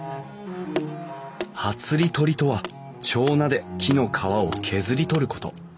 はつり取りとは手斧で木の皮を削り取ること。